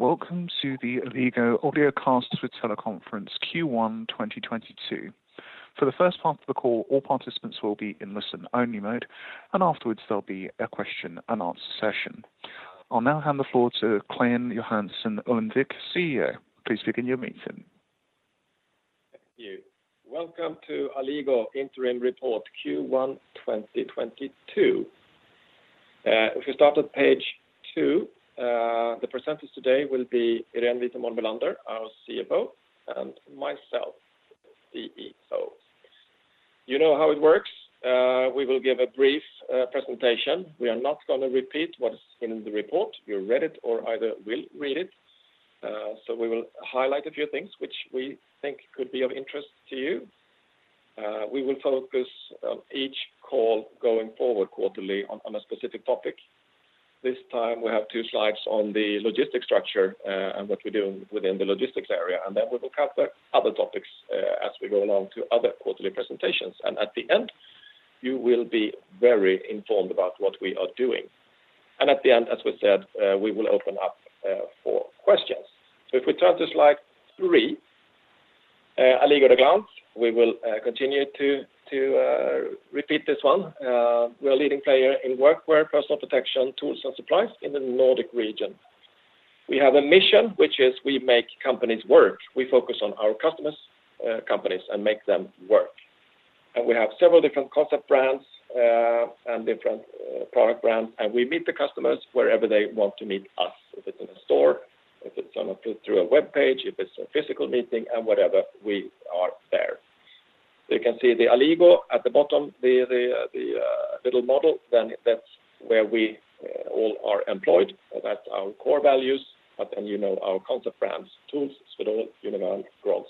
Welcome to the Alligo audio cast with teleconference Q1 2022. For the first part of the call, all participants will be in listen-only mode, and afterwards there'll be a question and answer session. I'll now hand the floor to Clein Ullenvik Johansson, CEO. Please begin your meeting. Thank you. Welcome to Alligo interim report Q1 2022. If we start at page two, the presenters today will be Irene Wisenborn Bellander, our CFO, and myself, CEO. You know how it works. We will give a brief presentation. We are not gonna repeat what is in the report. You read it or either will read it. So we will highlight a few things which we think could be of interest to you. We will focus on each call going forward quarterly on a specific topic. This time, we have two Slides on the logistics structure, and what we're doing within the logistics area, and then we'll look at the other topics, as we go along to other quarterly presentations. At the end, you will be very informed about what we are doing. At the end, as we said, we will open up for questions. If we turn to Slide three, Alligo at a glance, we will continue to repeat this one. We're a leading player in workwear, personal protection, tools, and supplies in the Nordic region. We have a mission, which is we make companies work. We focus on our customers, companies and make them work. We have several different concept brands and different product brands, and we meet the customers wherever they want to meet us. If it's in a store, if it's through a webpage, if it's a physical meeting and whatever, we are there. You can see the Alligo at the bottom, the little model. That's where we all are employed. That's our core values. You know our concept brands: TOOLS, Swedol, Univern, Grolls,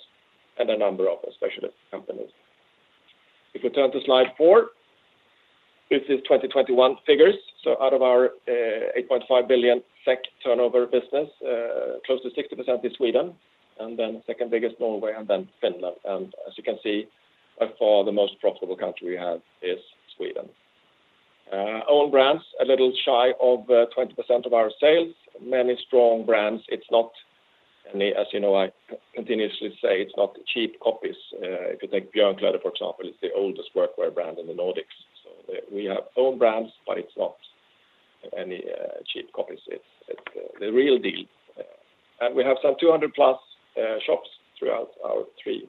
and a number of specialist companies. If we turn to Slide four, this is 2021 figures. Out of our 8.5 billion SEK turnover business, close to 60% is Sweden, and then second biggest Norway and then Finland. You can see, by far the most profitable country we have is Sweden. Own brands, a little shy of 20% of our sales. Many strong brands. As you know, I continuously say it's not cheap copies. If you take Björnkläder, for example, it's the oldest workwear brand in the Nordics. We have own brands, but it's not any cheap copies. It's the real deal. We have some 200+ shops throughout our three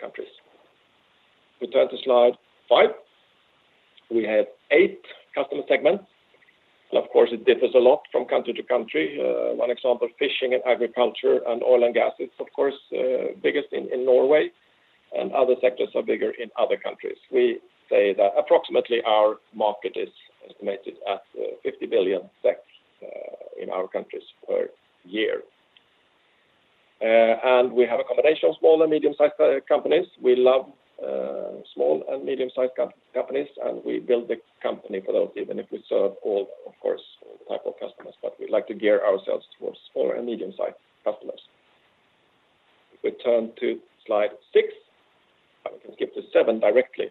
countries. We turn to Slide five. We have eight customer segments. Of course, it differs a lot from country to country. One example, fishing and agriculture and oil and gas is of course biggest in Norway and other sectors are bigger in other countries. We say that approximately our market is estimated at 50 billion in our countries per year. We have a combination of small and medium-sized companies. We love small and medium-sized companies, and we build the company for those, even if we serve all, of course, all type of customers. But we like to gear ourselves towards smaller and medium-sized customers. If we turn to Slide six. We can skip to seven directly.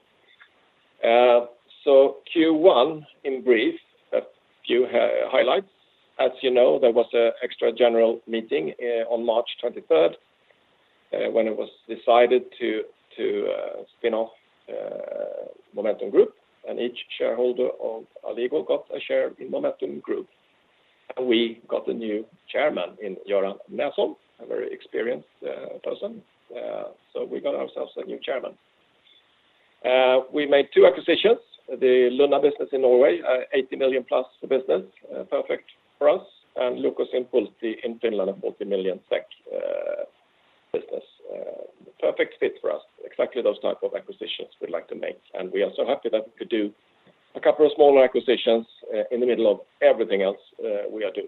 Q1 in brief, a few highlights. As you know, there was an extra general meeting on March 23rd when it was decided to spin off Momentum Group, and each shareholder of Alligo got a share in Momentum Group. We got a new chairman in Göran Näsholm, a very experienced person. We got ourselves a new chairman. We made two acquisitions, the Lunna business in Norway, 80+ million business, perfect for us, and LUKHS Impulssi in Finland, a 40 million SEK business. Perfect fit for us. Exactly those type of acquisitions we'd like to make. We are so happy that we could do a couple of smaller acquisitions in the middle of everything else we are doing.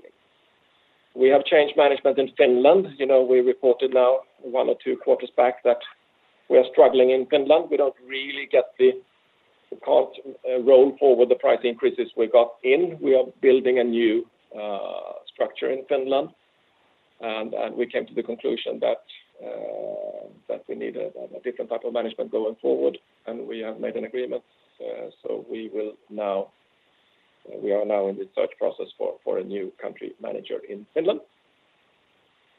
We have changed management in Finland. You know, we reported now one or two quarters back that we are struggling in Finland. We can't roll forward the price increases we got in. We are building a new structure in Finland, and we came to the conclusion that we need a different type of management going forward, and we have made an agreement. We are now in the search process for a new country manager in Finland.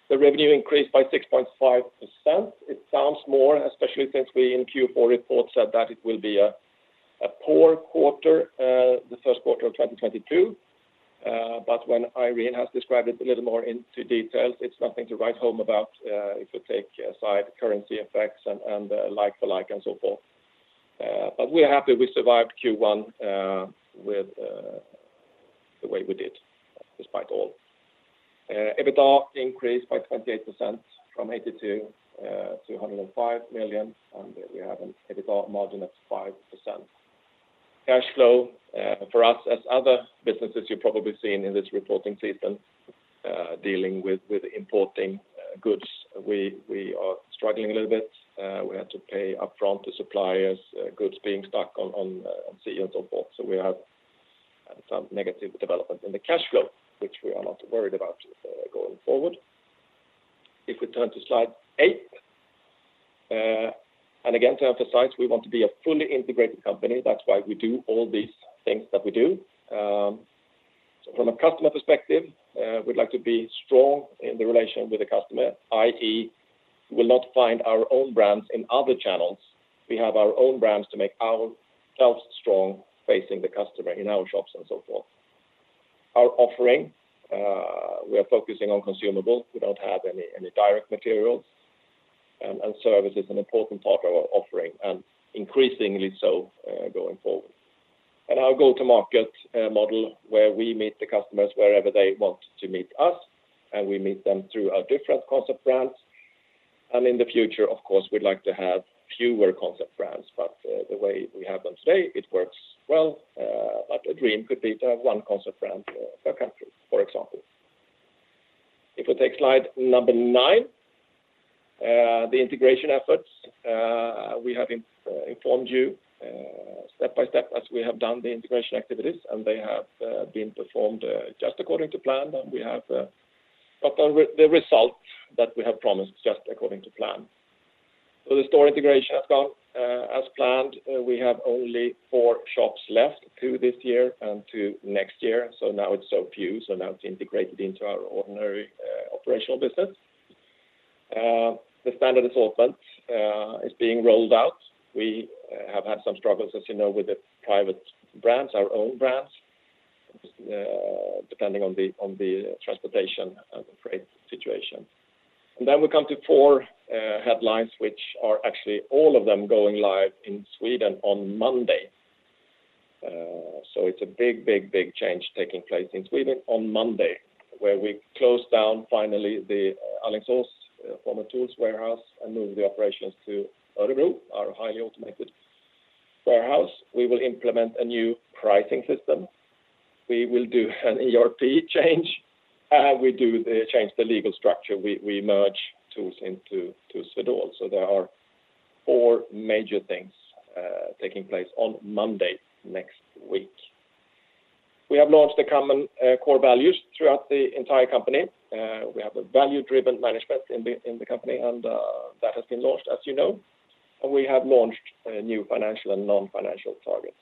The revenue increased by 6.5%. It sounds more, especially since we in Q4 report said that it will be a poor quarter, the first quarter of 2022. When Irene has described it a little more in detail, it's nothing to write home about, if you set aside currency effects and like for like and so forth. We're happy we survived Q1 with the way we did, despite all. EBITDA increased by 28% from 82 million to 105 million, and we have an EBITDA margin of 5%. Cash flow for us, as other businesses you've probably seen in this reporting season, dealing with importing goods, we are struggling a little bit. We had to pay upfront to suppliers, goods being stuck on sea and so forth. We have some negative development in the cash flow, which we are not worried about going forward. If we turn to Slide 8, and again, to emphasize, we want to be a fully integrated company. That's why we do all these things that we do. From a customer perspective, we'd like to be strong in the relation with the customer, i.e., will not find our own brands in other channels. We have our own brands to make ourselves strong facing the customer in our shops and so forth. Our offering, we are focusing on consumables. We don't have any direct materials, and service is an important part of our offering, and increasingly so, going forward. Our go-to-market model, where we meet the customers wherever they want to meet us, and we meet them through our different concept brands. In the future, of course, we'd like to have fewer concept brands, but the way we have them today, it works well. A dream could be to have one concept brand per country, for example. If we take Slide number nine, the integration efforts. We have informed you step-by-step as we have done the integration activities, and they have been performed just according to plan, and we have got the results that we have promised just according to plan. The store integration has gone as planned. We have only four shops left, two this year and two next year. Now it's so few, so now it's integrated into our ordinary operational business. The standard assortment is being rolled out. We have had some struggles, as you know, with the private brands, our own brands, depending on the transportation and freight situation. Then we come to four headlines, which are actually all of them going live in Sweden on Monday. It's a big change taking place in Sweden on Monday, where we close down finally the Alingsås former TOOLS warehouse, and move the operations to Örebro, our highly automated warehouse. We will implement a new pricing system. We will do an ERP change, and we do the change the legal structure. We merge TOOLS into Swedol. There are four major things taking place on Monday next week. We have launched the common core values throughout the entire company. We have a value-driven management in the company, and that has been launched, as you know. We have launched new financial and non-financial targets.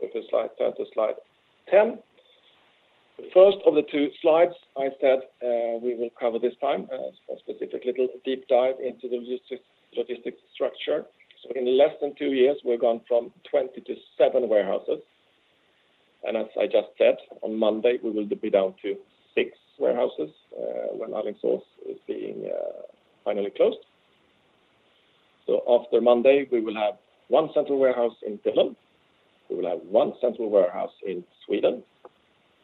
If we turn to Slide 10. The first of the two Slides I said we will cover this time, a specific little deep dive into the logistics structure. In less than two years, we've gone from 20 to seven warehouses, and as I just said, on Monday, we will be down to six warehouses when Alingsås is being finally closed. After Monday, we will have one central warehouse in Tillholm. We will have one central warehouse in Sweden.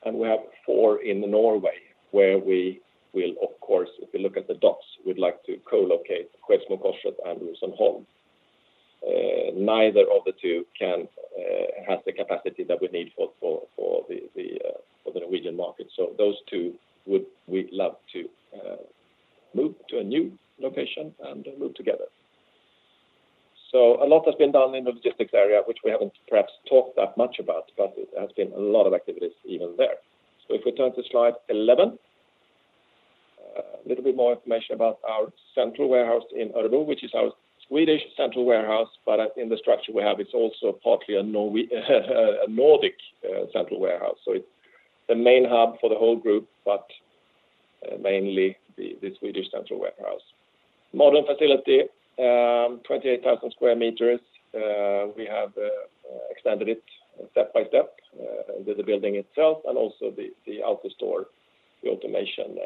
We have four in Norway, where we will of course, if you look at the dots, we'd like to co-locate Kvesnes og Kåssjet and Rosenholm. Neither of the two can have the capacity that we need for the Norwegian market. Those two we'd love to move to a new location and move together. A lot has been done in the logistics area, which we haven't perhaps talked that much about, but there has been a lot of activities even there. If we turn to Slide 11. A little bit more information about our central warehouse in Örebro, which is our Swedish central warehouse. In the structure we have, it's also partly a Nordic central warehouse. It's the main hub for the whole group, but mainly the Swedish central warehouse. Modern facility, 28,000 sq m. We have expanded it step by step, with the building itself and also the AutoStore, the automation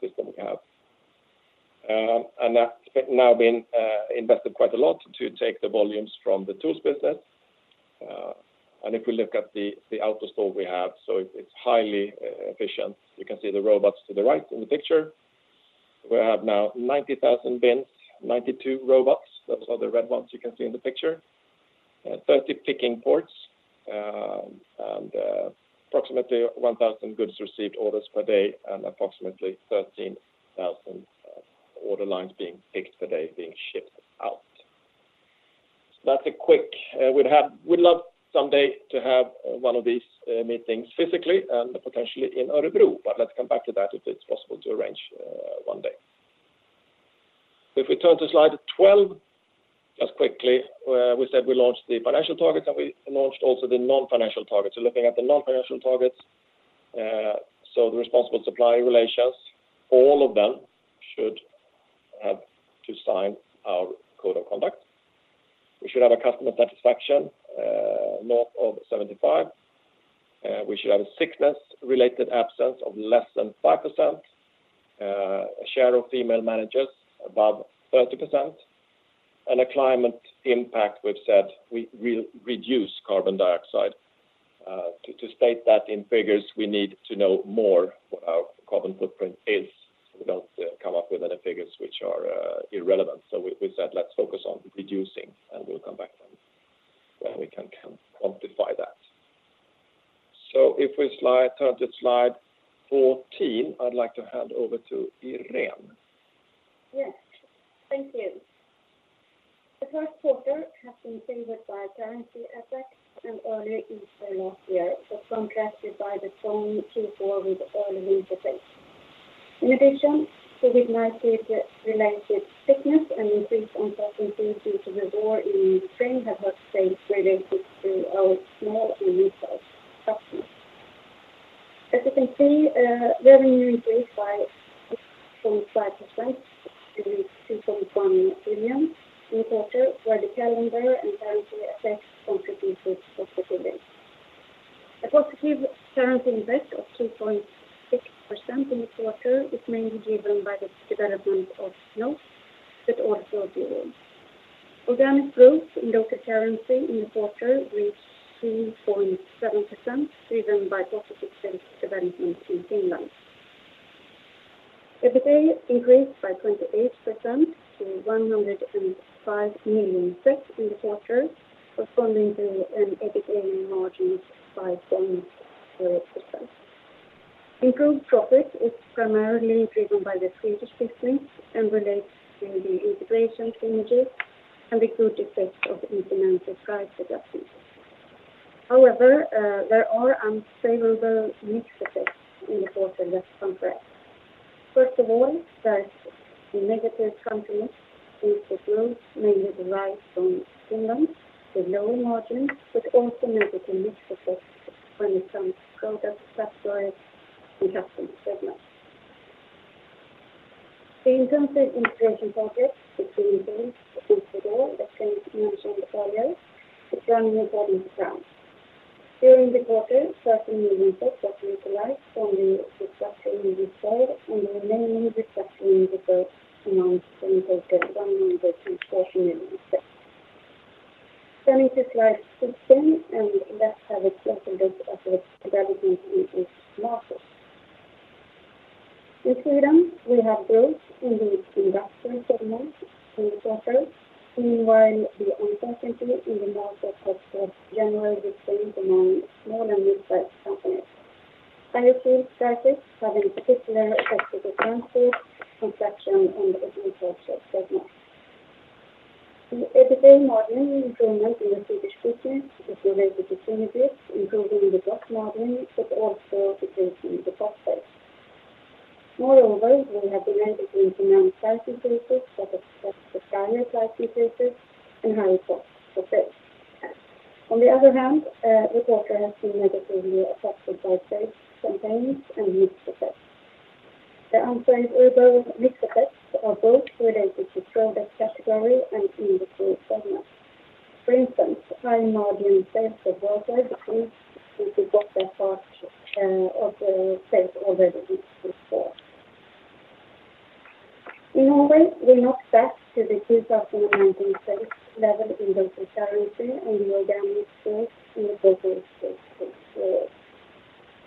system we have. That's now been invested quite a lot to take the volumes from the TOOLS business. If we look at the AutoStore we have, it's highly efficient. You can see the robots to the right in the picture. We have now 90,000 bins, 92 robots. Those are the red ones you can see in the picture. 30 picking ports, and approximately 1,000 goods received orders per day and approximately 13,000 order lines being picked a day being shipped out. That's a quick. We'd love someday to have one of these meetings physically and potentially in Örebro, but let's come back to that if it's possible to arrange one day. If we turn to Slide 12 just quickly, we said we launched the financial targets, and we launched also the non-financial targets. Looking at the non-financial targets, the responsible supplier relations, all of them should have to sign our code of conduct. We should have a customer satisfaction north of 75%. We should have a sickness-related absence of less than 5%. A share of female managers above 30%. A climate impact, we've said we will reduce carbon dioxide. To state that in figures, we need to know more what our carbon footprint is, so we don't come up with any figures which are irrelevant. We said, let's focus on reducing, and we'll come back when we can quantify that. If we now turn to Slide 14, I'd like to hand over to Irene. Yes. Thank you. The first quarter has been favored by a currency effect and earlier Easter last year, but contrasted by the strong Q4 with early winter sales. In addition, COVID-19 related sickness and increased uncertainty due to the war in Ukraine have had sales related to our small and midsize customers. As you can see, revenue increased by 6.5% to SEK 2.1 billion in the quarter where the calendar and currency effects contributed positively. A positive currency impact of 2.6% in the quarter is mainly driven by the development of NOK, but also euro. Organic growth in local currency in the quarter reached 3.7% driven by positive sales development in Finland. EBITDA increased by 28% to 105 million in the quarter, corresponding to an EBITDA margin of 5.4%. Improved profit is primarily driven by the Swedish business and relates to the integration synergies and the good effects of implemented price adjustments. However, there are unfavorable mix effects in the quarter that contrast. First of all, there's the negative trend mix due to growth mainly derived from Finland with lower margins, but also negative mix effects when it comes to product category in customer segments. The intensive integration project between TOOLS and Swedolthat Jenny mentioned earlier is running according to plan. During the quarter, SEK 13 million was utilized from the restructuring reserve, and the remaining restructuring reserve amounts to in total SEK 140 million. Turning to Slide 16. Let's have a closer look at the development in each market. In Sweden, we have growth in the industrial segment in the quarter. Meanwhile, the uncertainty in the market has generally decreased among small and midsize companies. Higher sales prices have in particular affected the transport, construction, and agriculture segments. The EBITDA margin improvement in the Swedish business is related to synergies improving the gross margin, but also because of the cost base. Moreover, we have been able to implement pricing increases that have offset the supplier price increases and higher costs in SEK. On the other hand, the quarter has been negatively affected by base comparisons and mix effects. The unfavorable mix effects are both related to product category and industry segments. For instance, high-margin safety workwear decreased due to stock that was of the sales already in Q4. In Norway, we're not back to the 2019 sales level in local currency and the organic growth in the quarter was 6%.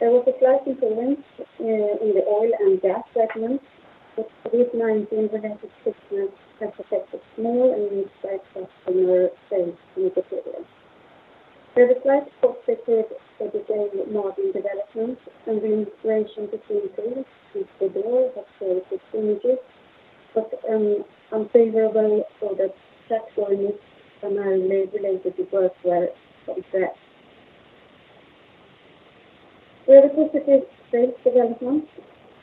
There was a slight improvement in the oil and gas segment, but COVID-19 related sickness has affected small and midsize customer sales in the period. There's a slight positive EBITDA margin development and the integration between Ginza and CDON have created synergies, but unfavorable for the category primarily related to workwear compared. We have a positive sales development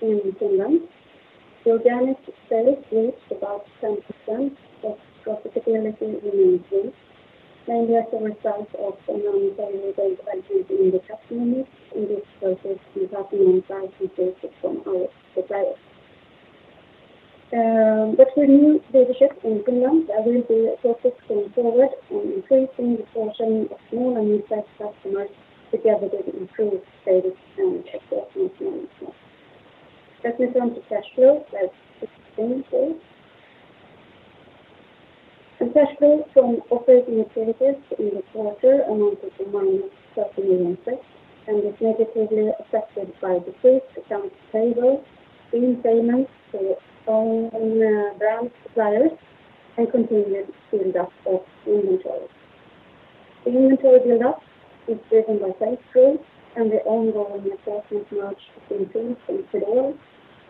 in Finland. The organic sales reached about 10%, but profitability remains weak, mainly as a result of the non-repeatable development in the customer mix in which prices in the top and midsize increases from our suppliers. With the new leadership in Finland, there will be a focus going forward on increasing the portion of small and midsize customers together with improved sales and category mix. Let's move on to cash flow. Slide 17, please. Cash flow from operating activities in the quarter amounted to -13 million and was negatively affected by decreased accounts payable, prepayments to own brand suppliers, and continued build-up of inventory. The inventory build-up is driven by sales growth and the ongoing assortment launch of Ginza and CDON,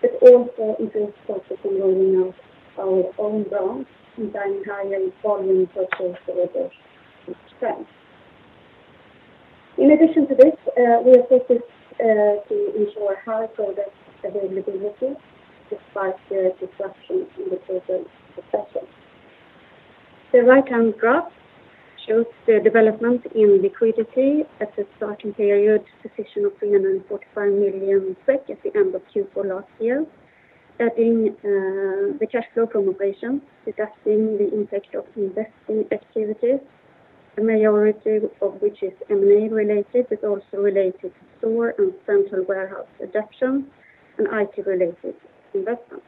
but also includes focus on growing our own brands, combining higher volume purchase orders with strength. In addition to this, we are focused to ensure higher product availability despite the disruptions in the global supply chain. The right-hand graph shows the development in liquidity at the starting period position of SEK 345 million at the end of Q4 last year, adding the cash flow from operations, deducting the impact of investing activities, the majority of which is M&A related, but also related to store and central warehouse adaptation and IT related investments.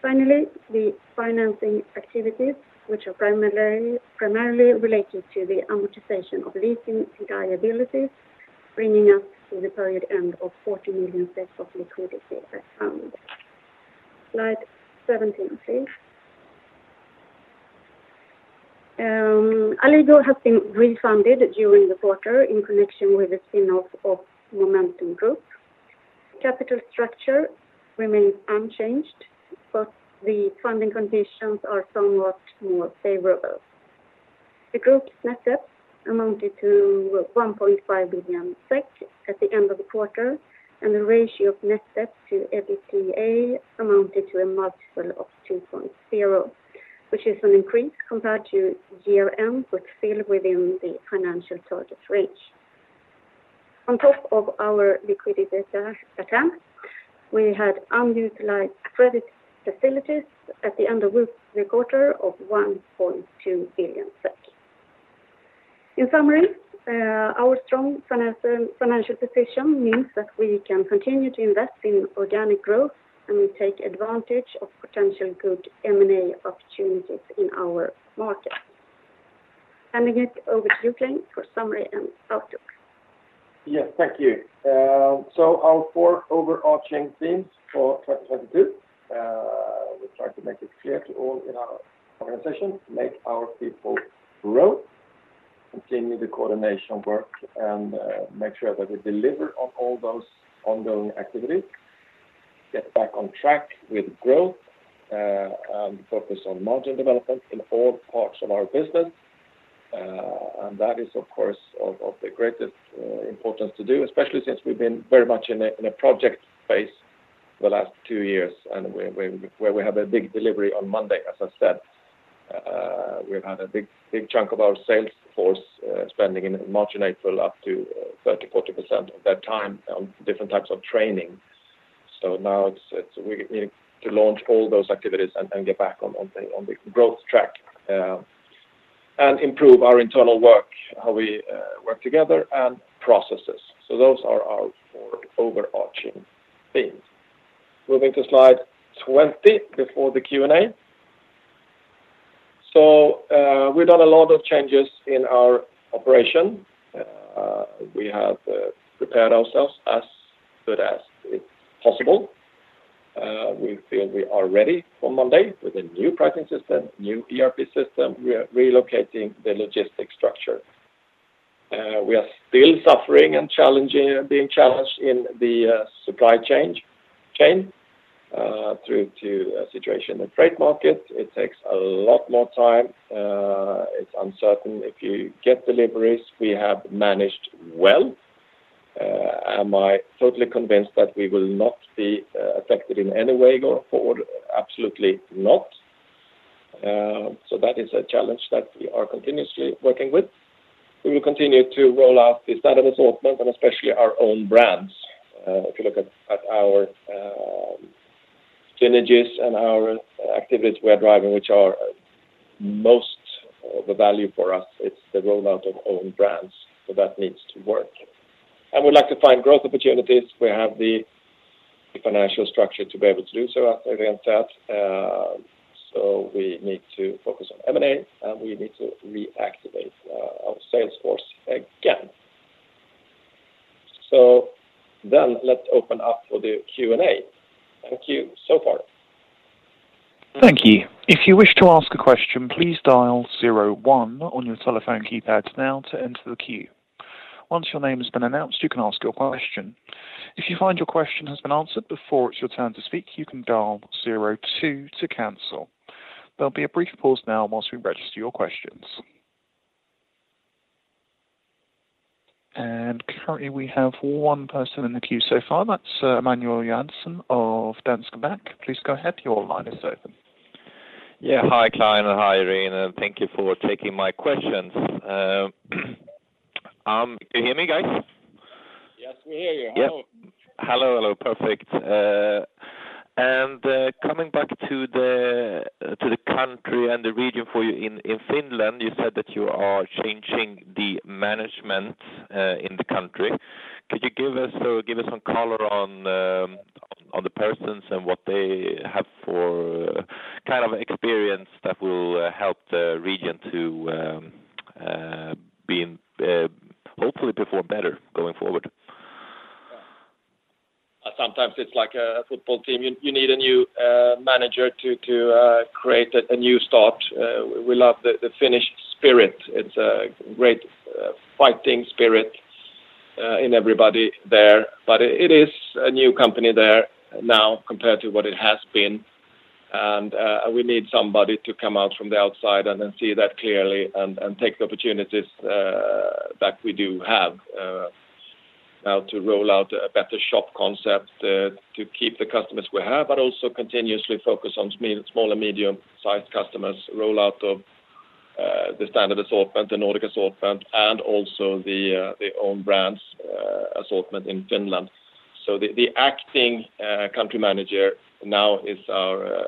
Finally, the financing activities which are primarily related to the amortization of leasing liabilities, bringing us to the period end of 40 million of liquidity that's found. Slide seventeen, please. Alligo has been refinanced during the quarter in connection with the spin-off of Momentum Group. Capital structure remains unchanged, but the funding conditions are somewhat more favorable. The group's net debt amounted to 1.5 billion SEK at the end of the quarter, and the ratio of net debt to EBITDA amounted to a multiple of 2.0, which is an increase compared to year-end, but still within the financial target range. On top of our liquidity position, we had unutilized credit facilities at the end of the quarter of 1.2 billion. In summary, our strong financial position means that we can continue to invest in organic growth and we take advantage of potential good M&A opportunities in our market. Handing it over to Clein for summary and outlook. Yes, thank you. So our four overarching themes for 2022, we try to make it clear to all in our organization, make our people grow, continue the coordination work and make sure that we deliver on all those ongoing activities, get back on track with growth, and focus on margin development in all parts of our business. That is of course of the greatest importance to do, especially since we've been very much in a project phase the last two years, and where we have a big delivery on Monday, as I said. We've had a big chunk of our sales force spending in March and April, up to 30%-40% of their time on different types of training. Now it's we need to launch all those activities and get back on the growth track and improve our internal work, how we work together and processes. Those are our four overarching themes. Moving to Slide 20 before the Q&A. We've done a lot of changes in our operation. We have prepared ourselves as good as it's possible. We feel we are ready for Monday with a new pricing system, new ERP system. We are relocating the logistics structure. We are still being challenged in the supply chain due to a situation in the freight market. It takes a lot more time. It's uncertain if you get deliveries. We have managed well. Am I totally convinced that we will not be affected in any way going forward? Absolutely not. That is a challenge that we are continuously working with. We will continue to roll out the standard assortment and especially our own brands. If you look at our synergies and our activities we are driving, which are most of the value for us, it's the rollout of own brands. That needs to work. We'd like to find growth opportunities. We have the financial structure to be able to do so after refinancing. We need to focus on M&A, and we need to reactivate our sales force again. Let's open up for the Q&A. Thank you so far. Thank you. If you wish to ask a question, please dial zero one on your telephone keypad now to enter the queue. Once your name has been announced, you can ask your question. If you find your question has been answered before it's your turn to speak, you can dial zero two to cancel. There'll be a brief pause now while we register your questions. Currently, we have one person in the queue so far. That's Emanuel Jansson of Danske Bank. Please go ahead. Your line is open. Yeah. Hi, Claes, and hi, Irene, and thank you for taking my questions. Can you hear me, guys? Yes, we hear you. Hello. Yep. Hello, hello. Perfect. Coming back to the country and the region for you in Finland, you said that you are changing the management in the country. Could you give us some color on the persons and what they have for kind of experience that will help the region to hopefully perform better going forward? Sometimes it's like a football team. You need a new manager to create a new start. We love the Finnish spirit. It's a great fighting spirit in everybody there. But it is a new company there now compared to what it has been. We need somebody to come out from the outside and then see that clearly and take the opportunities that we do have now to roll out a better shop concept to keep the customers we have, but also continuously focus on small and medium-sized customers, rollout of the standard assortment, the Nordic assortment, and also the own brands assortment in Finland. The acting country manager now is our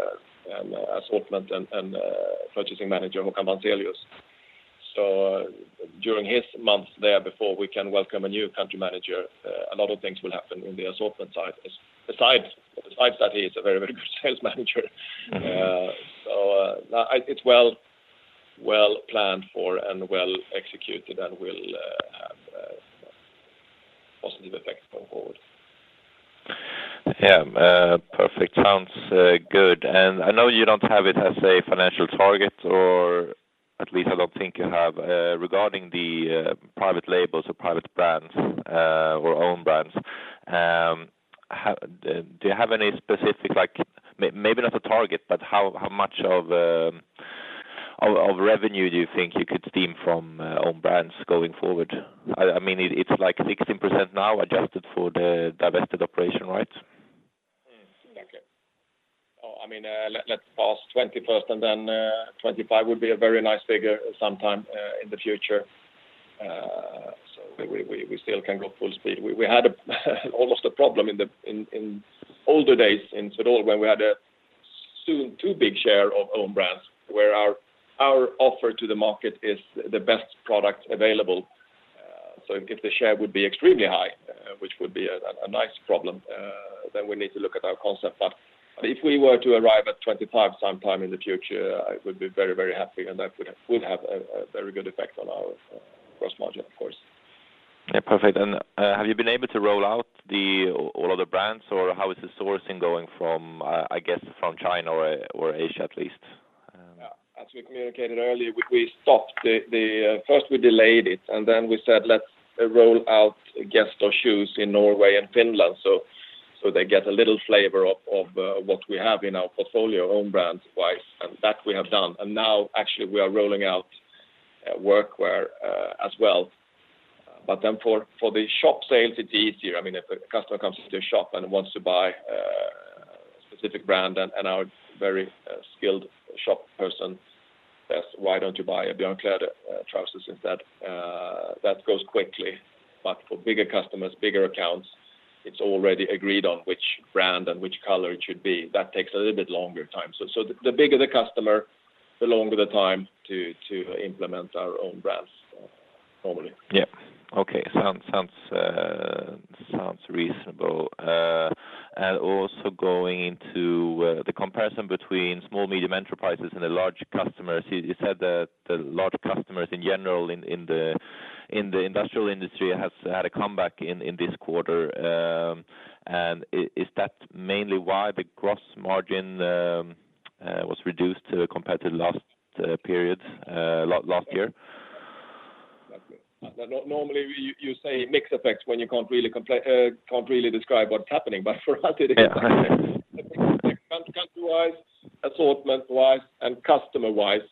assortment and purchasing manager, Mika Mantsinen. During his month there before we can welcome a new country manager, a lot of things will happen in the assortment side. Besides that, he is a very, very good sales manager. Mm-hmm. It's well planned for and well executed and will have positive effects going forward. Yeah. Perfect. Sounds good. I know you don't have it as a financial target or at least I don't think you have, regarding the private labels or private brands, or own brands. Do you have any specific, like, maybe not a target, but how much of revenue do you think you could stem from own brands going forward? I mean, it's like 16% now adjusted for the divested operation, right? Mm. Yeah. I mean, let's pass 21% and then 25% would be a very nice figure sometime in the future. We still can go full speed. We had almost a problem in the old days in Swedol when we had an all too big share of own brands where our offer to the market is the best product available. If the share would be extremely high, which would be a nice problem, then we need to look at our concept. If we were to arrive at 25% sometime in the future, I would be very, very happy, and that would have a very good effect on our gross margin, of course. Yeah. Perfect. Have you been able to roll out the all other brands, or how is the sourcing going from, I guess, from China or Asia at least? As we communicated earlier, first we delayed it, and then we said, "Let's roll out Gesto shoes in Norway and Finland, so they get a little flavor of what we have in our portfolio own brands wise." That we have done. Now actually we are rolling out workwear as well. For the shop sales, it's easier. I mean, if a customer comes into a shop and wants to buy a specific brand and our very skilled shop person says, "Why don't you buy a Björnkläder trousers instead?" That goes quickly. For bigger customers, bigger accounts, it's already agreed on which brand and which color it should be. That takes a little bit longer time. The bigger the customer, the longer the time to implement our own brands, normally. Yeah. Okay. Sounds reasonable. Also going into the comparison between small and medium enterprises and the large customers. You said that the large customers in general in the industrial industry has had a comeback in this quarter. Is that mainly why the gross margin was reduced compared to the last period last year? Normally, you say mix effects when you can't really describe what's happening. But for us it- Yeah. Country-wise, assortment-wise, and customer-wise,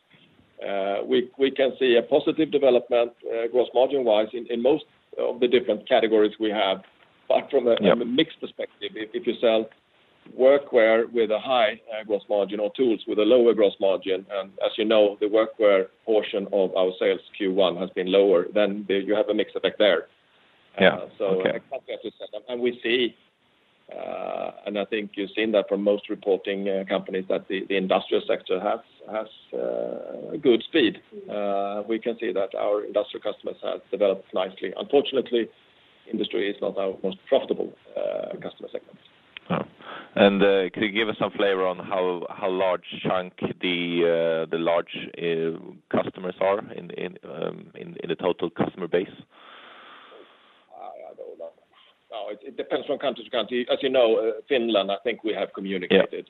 we can see a positive development, gross margin-wise in most of the different categories we have. But from a- Yeah. From a mix perspective, if you sell workwear with a high gross margin or tools with a lower gross margin, and as you know, the workwear portion of our sales Q1 has been lower, then you have a mix effect there. Yeah. Okay. So Yeah. We see, and I think you've seen that from most reporting companies that the industrial sector has a good speed. We can see that our industrial customers have developed nicely. Unfortunately, industry is not our most profitable customer segment. Could you give us some flavor on how large a chunk the large customers are in the total customer base? I don't know. No, it depends from country-to-country. As you know, Finland, I think we have communicated. Yeah.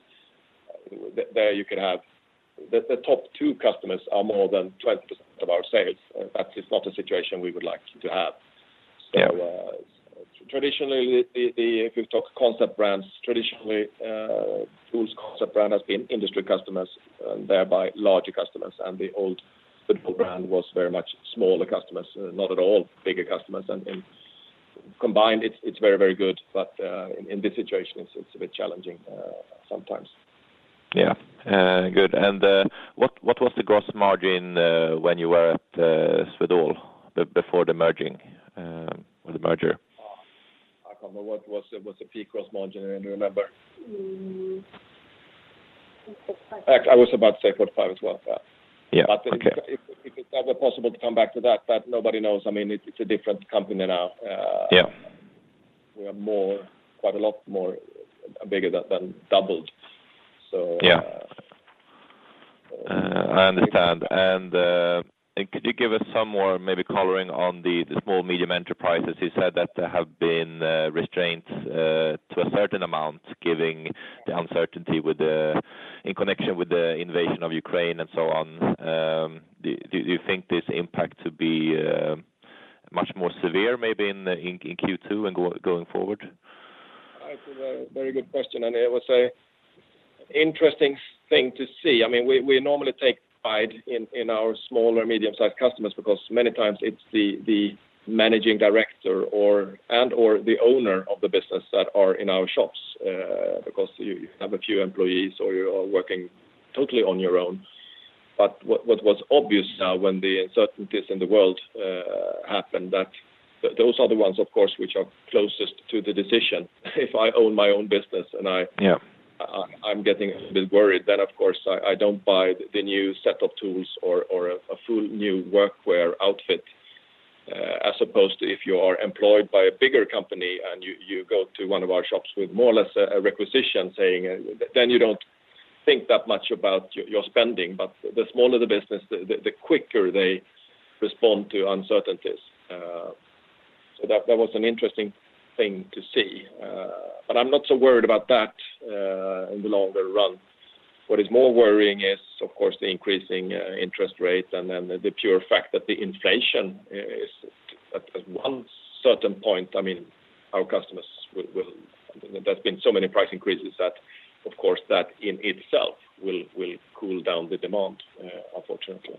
The top two customers are more than 20% of our sales. That is not a situation we would like to have. Yeah. Traditionally, if you talk concept brands, traditionally, TOOLS concept brand has been industry customers, and thereby larger customers. The old Swedol brand was very much smaller customers, not at all bigger customers. In combination, it's very, very good. In this situation, it's a bit challenging sometimes. Yeah. Good. What was the gross margin when you were at Swedol before the merger? Oh, I can't remember. What was the peak gross margin? Any of you remember? Mm. I was about to say 0.5 as well. Yeah. If that were possible to come back to that, but nobody knows. I mean, it's a different company now. Yeah. We are more, quite a lot more bigger than doubled. Yeah. I understand. Could you give us some more maybe coloring on the small and medium enterprises you said that have been restrained to a certain amount, given the uncertainty in connection with the invasion of Ukraine and so on. Do you think this impact to be much more severe maybe in Q2 and going forward? It's a very good question, and it was an interesting thing to see. I mean, we normally take pride in our small or medium-sized customers because many times it's the managing director or and/or the owner of the business that are in our shops because you have a few employees or you are working totally on your own. What was obvious now when the uncertainties in the world happened that those are the ones, of course, which are closest to the decision. If I own my own business and I Yeah. I'm getting a bit worried, then of course, I don't buy the new set of tools or a full new workwear outfit. As opposed to if you are employed by a bigger company and you go to one of our shops with more or less a requisition saying. You don't think that much about your spending. The smaller the business, the quicker they respond to uncertainties. That was an interesting thing to see. I'm not so worried about that in the longer run. What is more worrying is, of course, the increasing interest rate and then the pure fact that the inflation is at one certain point. I mean, there's been so many price increases that, of course, that in itself will cool down the demand, unfortunately.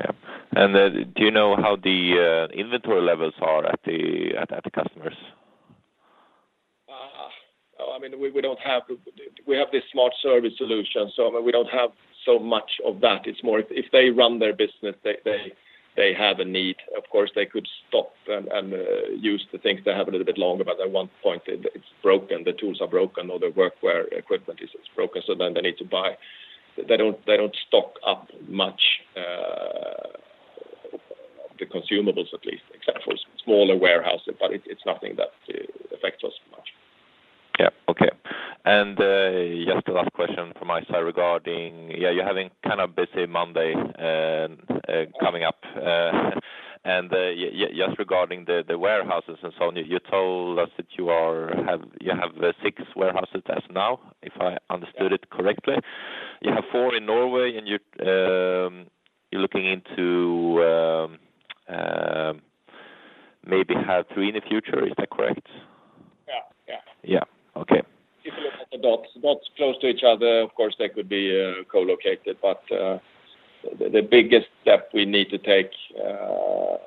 Yeah. Do you know how the inventory levels are at the customers? I mean, we don't have. We have this smart service solution, so we don't have so much of that. It's more if they run their business, they have a need. Of course, they could stop and use the things they have a little bit longer, but at one point it's broken, the tools are broken, or the workwear equipment is broken, so then they need to buy. They don't stock up much, the consumables at least, except for smaller warehouses, but it's nothing that affects us much. Just a last question from my side regarding you're having kind of busy Monday coming up. Just regarding the warehouses and so on, you told us that you have 6 warehouses as of now, if I understood it correctly. You have 4 in Norway, and you're looking into maybe have 3 in the future. Is that correct? Yeah. Yeah. Yeah. Okay. If you look at the dots close to each other, of course, they could be co-located. The biggest step we need to take is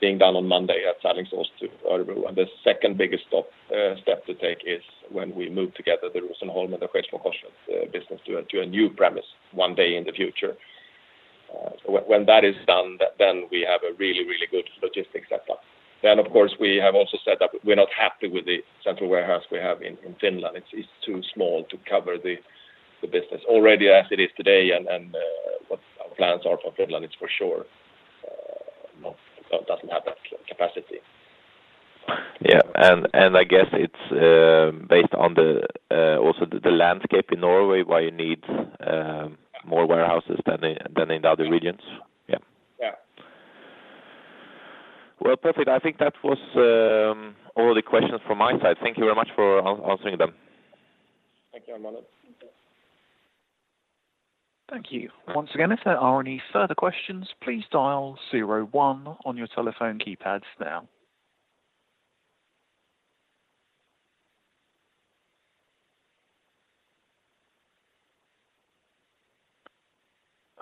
being done on Monday at Sandvika, Oslo, or the second biggest step to take is when we move together the Rosenholm and the Skedsmokorset business to a new premise one day in the future. When that is done, we have a really good logistics setup. Of course, we have also said that we're not happy with the central warehouse we have in Finland. It's too small to cover the business already as it is today and what our plans are for Finland, it's for sure doesn't have that capacity. Yeah. I guess it's based on the also the landscape in Norway why you need more warehouses than in the other regions. Yeah. Yeah. Well, perfect. I think that was all the questions from my side. Thank you very much for answering them. Thank you very much. Thank you. Once again, if there are any further questions, please dial zero one on your telephone keypads now.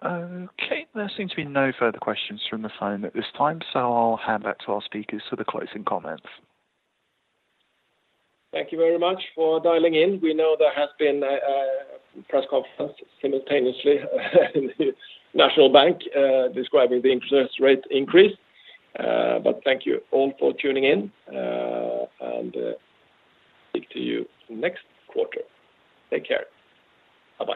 Okay. There seems to be no further questions from the phone at this time, so I'll hand back to our speakers for the closing comments. Thank you very much for dialing in. We know there has been a press conference simultaneously in Riksbanken describing the interest rate increase. Thank you all for tuning in and speak to you next quarter. Take care. Bye-bye.